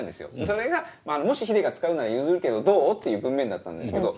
それが「もしヒデが使うなら譲るけどどう？」っていう文面だったんですけど。